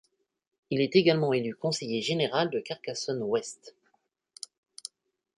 Il est également élu Conseiller général de Carcassonne-Ouest.